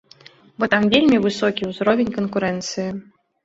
Бо там вельмі высокі ўзровень канкурэнцыі.